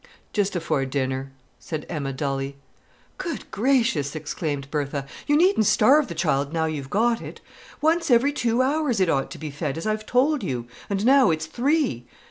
"Just afore dinner," said Emma dully. "Good gracious!" exclaimed Bertha. "You needn't starve the child now you've got it. Once every two hours it ought to be fed, as I've told you; and now it's three.